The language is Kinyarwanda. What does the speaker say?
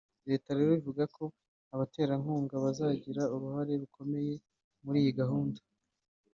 Leta rero ivuga ko abaterankunga bazagira uruhare rukomeye muri iyi gahunda